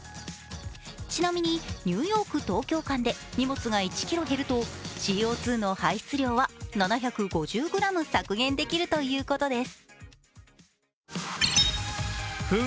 ちなみに、ニューヨーク−東京間で荷物が１ｋｇ経るとＣＯ２の排出量は７５０ｇ削減できるということです。